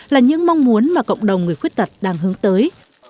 là những mong muốn mà cộng đồng người khuyết tật đang hướng tới